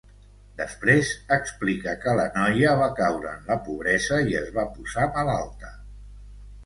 Després explica que la noia va caure en la pobresa i es va posar malalta.